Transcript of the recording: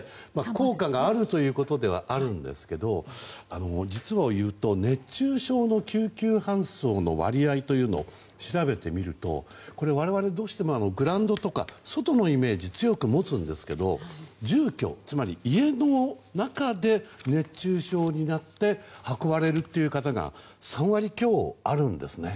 効果があるということではあるんですが実をいうと、熱中症の救急搬送の割合というのを調べてみると、我々どうしてもグラウンドとか外のイメージを強く持つんですが住居、つまり家の中で熱中症になって運ばれるという方が３割強あるんですね。